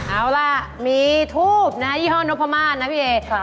เอาล่ะมีถูกนะยี่ห้อนโนโพม่านะพี่เอ๊